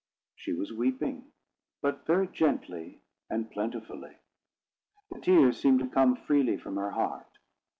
She was weeping, but very gently and plentifully. The tears seemed to come freely from her heart.